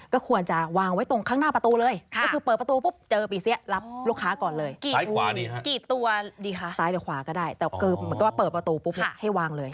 ก็ได้เหมือนกันว่าเปิดประตูปุ๊บให้วางเลย